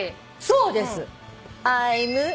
そうです！